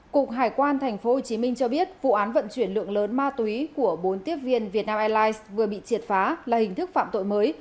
cục hải quan tp hcm cho biết vụ án vận chuyển lượng lớn ma túy của bốn tiếp viên việt nam airlines vừa bị triệt phá là hình thức phạm tội mới